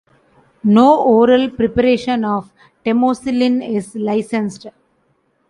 No oral preparation of temocillin is licensed.